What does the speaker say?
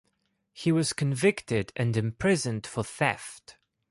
He was convicted and imprisoned for theft.